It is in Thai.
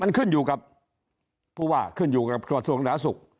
มันขึ้นอยู่กับผู้ว่าขึ้นอยู่กับส่วนส่วนสุข